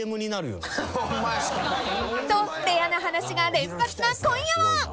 ［とレアな話が連発な今夜は］